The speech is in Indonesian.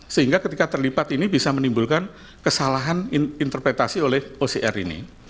sehingga ketika terlipat ini bisa menimbulkan kesalahan interpretasi oleh ocr ini